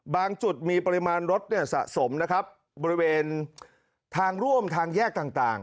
จุดมีปริมาณรถเนี่ยสะสมนะครับบริเวณทางร่วมทางแยกต่าง